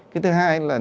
cái thứ hai là